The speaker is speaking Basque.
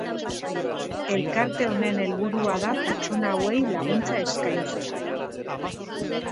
Elkarte honen helburua da pertsona hauei laguntza eskaintzea.